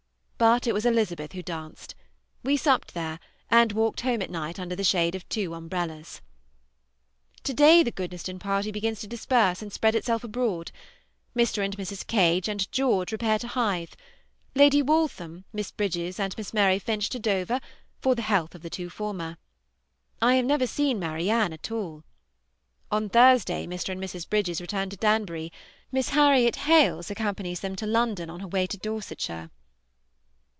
But it was Elizabeth who danced. We supped there, and walked home at night under the shade of two umbrellas. To day the Goodnestone party begins to disperse and spread itself abroad. Mr. and Mrs. Cage and George repair to Hythe. Lady Waltham, Miss Bridges, and Miss Mary Finch to Dover, for the health of the two former. I have never seen Marianne at all. On Thursday Mr. and Mrs. Bridges return to Danbury; Miss Harriet Hales accompanies them to London on her way to Dorsetshire.